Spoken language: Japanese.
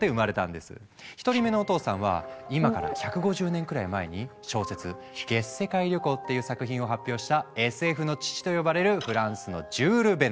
１人目のお父さんは今から１５０年くらい前に小説「月世界旅行」っていう作品を発表した「ＳＦの父」と呼ばれるフランスのジュール・ヴェルヌ。